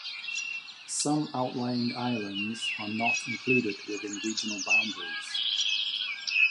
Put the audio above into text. Some outlying islands are not included within regional boundaries.